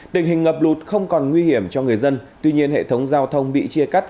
tình hình ngập lụt không còn nguy hiểm cho người dân tuy nhiên hệ thống giao thông bị chia cắt